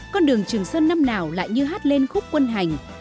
con đường trường sơn năm nào lại như hát lên khúc quân hành